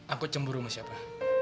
aku cemburu sama siapa